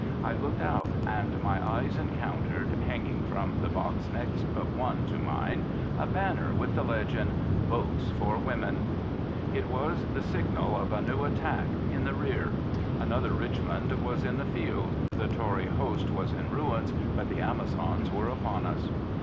I looked out and my eyes encountered, hanging from the box next but one to mine, a banner with the legend " Votes for Women.*' It was the signal of a new 13^ Mrs. Pankhurst attack in the rear. Another Richmond was in the field. The Tory host was in ruins; but the Amazons were upon us.